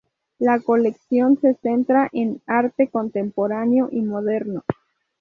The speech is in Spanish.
La colección se centra en arte contemporáneo y moderno.